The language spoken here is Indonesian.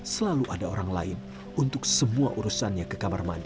selalu ada orang lain untuk semua urusannya ke kamar mandi